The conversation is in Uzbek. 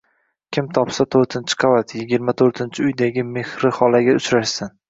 Kim topsa, toʻrtinchi qavat, yigirma toʻrtinchi uydagi Mehri xolaga uchrashsin